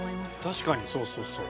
確かにそうそうそう。